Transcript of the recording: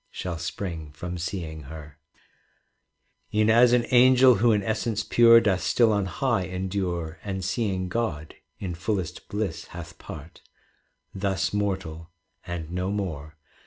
It is, however, »73 CANZONIERE E'en as an angel who in essence pure Doth still on high endure, And seeing God, in fullest bliss hath part: Thus mortal, and no more.